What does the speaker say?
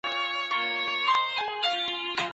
就像冬天的阳光